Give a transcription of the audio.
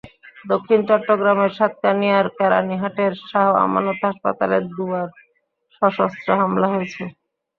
দক্ষিণ চট্টগ্রামের সাতকানিয়ার কেরানীহাটের শাহ আমানত হাসপাতালে দুবার সশস্ত্র হামলা হয়েছে।